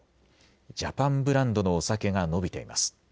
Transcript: ジャパンブランドのお酒が伸びています。